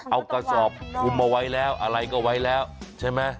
เอากระสอบคุมเอาไว้แล้วอะไรก็ไว้แล้วใช่ไหม